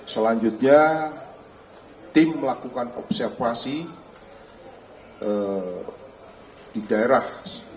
selanjutnya tim melakukan observasi di daerah